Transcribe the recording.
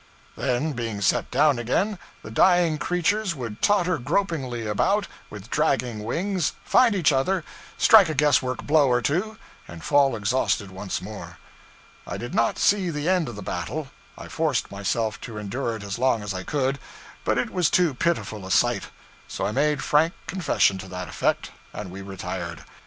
Then, being set down again, the dying creatures would totter gropingly about, with dragging wings, find each other, strike a guesswork blow or two, and fall exhausted once more. I did not see the end of the battle. I forced myself to endure it as long as I could, but it was too pitiful a sight; so I made frank confession to that effect, and we retired.